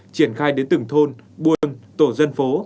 triển khai đến tỉnh thôn bùn tổ dân phố